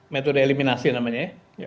metode eliminasi namanya